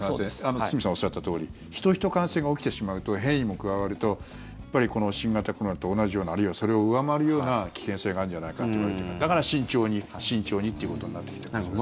堤さん、おっしゃったとおりヒトヒト感染が起きてしまうと変異も加わるとやっぱりこの新型コロナと同じようなあるいはそれを上回るような危険性があるんじゃないかっていわれてるからだから慎重に慎重にっていうことになってきてるんですね。